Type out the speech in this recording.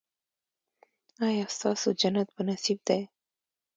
ایا ستاسو جنت په نصیب دی؟